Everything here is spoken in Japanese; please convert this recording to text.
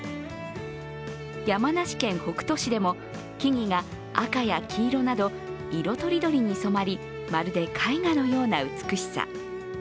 山梨県北杜市でも木々が赤や黄色など色とりどりに染まりまるで絵画のような美しさ。